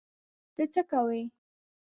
ته څه کوې؟